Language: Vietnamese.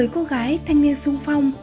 một mươi cô gái thanh niên sung phong